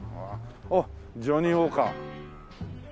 ジョニーウォーカー。